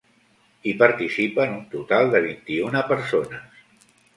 Hi participen un total de vint-i-una persones.